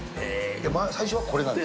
最初はこれなんですね。